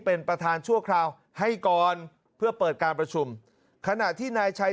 เป็นประธานชั่วคราวให้ก่อนเพื่อเปิดการประชุมขณะที่นายชัย